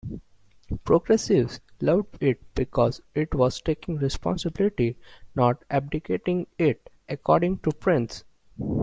"Progressives loved it because it was taking responsibility, not abdicating it," according to Prince.